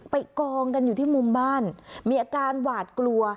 กองกันอยู่ที่มุมบ้านมีอาการหวาดกลัว